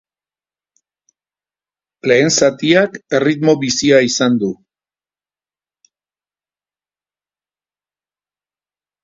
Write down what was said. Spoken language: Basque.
Lehen zatiak erritmo bizia izan du.